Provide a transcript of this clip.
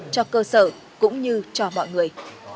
cho cơ sở cũng như cho mọi người